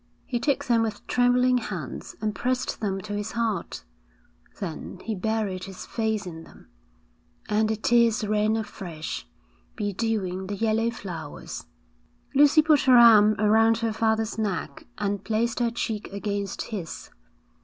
He took them with trembling hands and pressed them to his heart, then he buried his face in them, and the tears ran afresh, bedewing the yellow flowers. Lucy put her arm around her father's neck and placed her cheek against his.